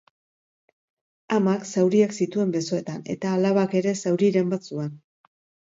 Amak zauriak zituen besoetan, eta alabak ere zauriren bat zuen.